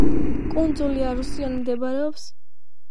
კუნძული ასუნსიონი მდებარეობს მარიანას არქიპელაგის ჩრდილოეთ ნაწილში.